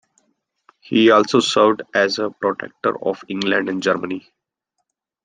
He also served as the protector of England and Germany.